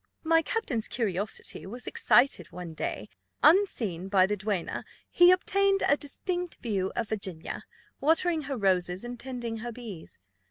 "My captain's curiosity was excited; one day, unseen by the duenna, he obtained a distinct view of Virginia, watering her roses and tending her bees.